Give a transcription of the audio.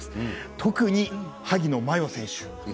特に萩野真世選手。